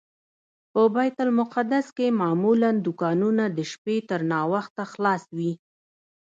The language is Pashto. په بیت المقدس کې معمولا دوکانونه د شپې تر ناوخته خلاص وي.